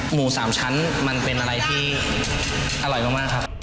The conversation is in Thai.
หมูสามชั้นมันเป็นอะไรที่อร่อยมากครับ